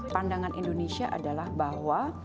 pandangan indonesia adalah bahwa